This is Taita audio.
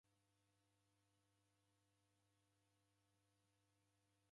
Sikunde kuteselwa ringi ni mndungi